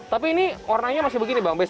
tapi ini warnanya masih begini bang bes